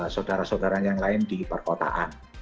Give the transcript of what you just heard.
saudara saudara yang lain di perkotaan